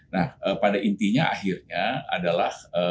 nah pada intinya akhirnya adalah